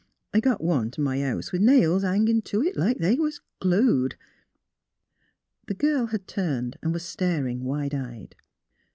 I got one t' my house, with nails a hangin' to it like they was glued." The girl had turned and was staring, wide eyed.